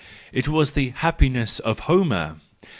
It was the happiness of Homer!